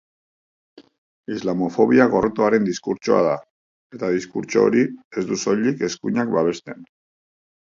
Islamofobia gorrotoaren diskurtsoa da, eta diskurtso hori ez du soilik eskuinak babesten.